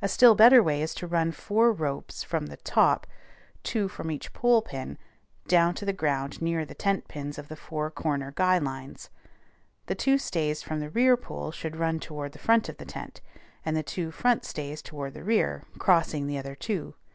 A still better way is to run four ropes from the top two from each pole pin down to the ground near the tent pins of the four corner guy lines. The two stays from the rear pole should run toward the front of the tent; and the two front stays toward the rear, crossing the other two.